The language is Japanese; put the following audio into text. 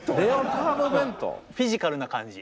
フィジカルな感じ。